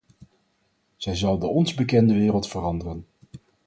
Zij zal de ons bekende wereld veranderen.